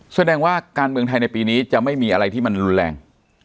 แสดงว่าการแบ่งในปีนี้ไม่มีอะไรที่รุนแรง